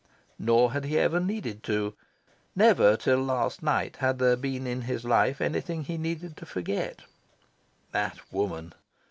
Nor had he ever needed to. Never, till last night, had there been in his life anything he needed to forget. That woman!